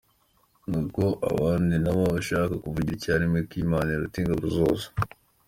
Nuko abandi nabo, abashaka kuvugira icyarimwe ko Imana iruta ingabo zose.